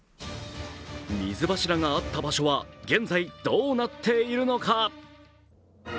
水柱があった場所は現在、どうなっているのか？